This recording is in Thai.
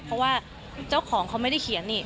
เพราะว่าเจ้าของเขาไม่ได้เขียนนี่